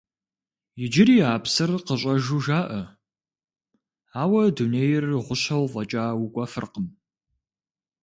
Иджыри а псыр къыщӀэжу жаӀэ, ауэ дунейр гъущэу фӀэкӀа укӀуэфыркъым.